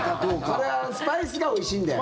それはスパイスがおいしいんだよ。